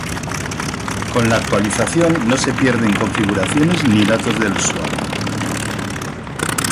Con la actualización no se pierden configuraciones ni datos del usuario.